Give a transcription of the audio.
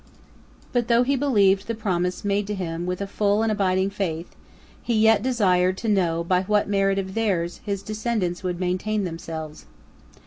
But though he believed the promise made him with a full and abiding faith, he yet desired to know by what merit of theirs his descendants would maintain themselves.